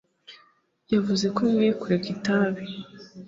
Yavuze ko nkwiye kureka itabi